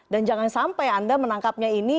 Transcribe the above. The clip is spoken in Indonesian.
dan jangan sampai anda menangkapnya ini